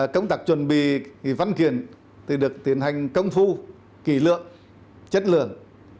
công tạc chuẩn bị văn kiện được tiến hành công phu kỷ lượng chất lượng